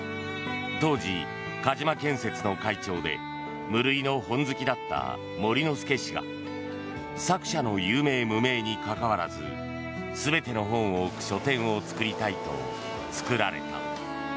当時、鹿島建設の会長で無類の本好きだった守之助氏が作者の有名無名に関わらず全ての本を置く書店を作りたいと作られた。